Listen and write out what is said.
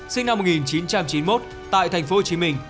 sinh năm một nghìn chín trăm chín mươi một tại tp hcm